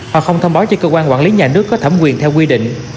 hoặc không thông báo cho cơ quan quản lý nhà nước có thẩm quyền theo quy định